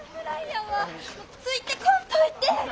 ・ついてこんといて！